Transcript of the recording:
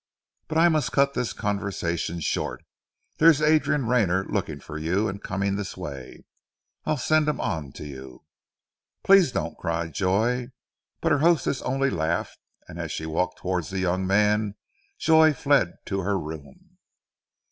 But I must cut this conversation short. There's Adrian Rayner looking for you, and coming this way. I'll send him on to you." "Please don't," cried Joy; but her hostess only laughed, and as she walked towards the young man Joy fled to her room.